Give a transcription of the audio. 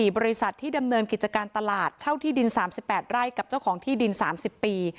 บริษัทที่ดำเนินกิจการตลาดเช่าที่ดิน๓๘ไร่กับเจ้าของที่ดิน๓๐ปี